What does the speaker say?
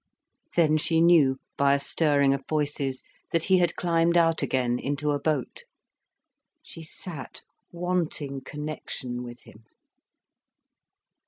Then she knew, by a stirring of voices, that he had climbed out again, into a boat. She sat wanting connection with him.